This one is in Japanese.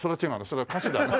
それは歌詞だな。